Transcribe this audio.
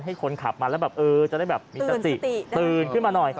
ให้คนขับมาแล้วจะได้แบบตื่นขึ้นมาหน่อย